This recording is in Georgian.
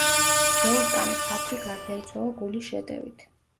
ზოლტან ფაბრი გარდაიცვალა გულის შეტევით.